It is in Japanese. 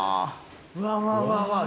うわうわうわうわ